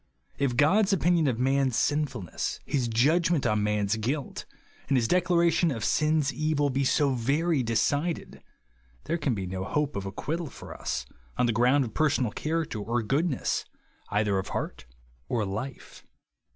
If God's opinion of man's sinful ness, his judgment of man's guilt, and his declaration of sin's evil be so very decided, there can be no hope of acquittal for us on the ground of personal character or good ness, either of heart or life.